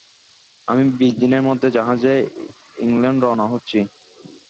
আমি বিশ দিনের মধ্যে জাহাজে ইংলণ্ড রওনা হচ্ছি।